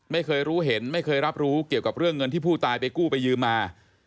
ไม่เคยรู้เห็นไม่เคยรับรู้เกี่ยวกับเรื่องเงินที่ผู้ตายไปกู้ไปยืมมา